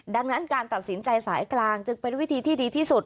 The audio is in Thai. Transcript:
ดังนั้นการตัดสินใจสายกลางจึงเป็นวิธีที่ดีที่สุด